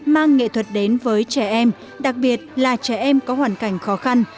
mang nghệ thuật đến với trẻ em đặc biệt là trẻ em có hoàn cảnh khó khăn